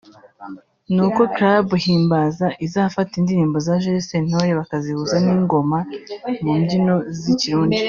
ni uko Club Himbaza izafata indirimbo za Jules Sentore bakazihuza n’ingoma mu mbyino z’ikirundi